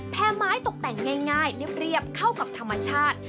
แพ้ไม้ตกแต่งง่ายเรียบเข้ากับธรรมชาติ